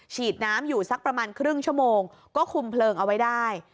ฉีดน้ำอยู่สักประมาณครึ่งชั่วโมงก็คุมเพลิงเอาไว้ได้